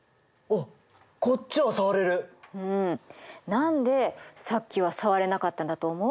何でさっきは触れなかったんだと思う？